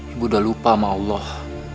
ibu udah lupa sama allah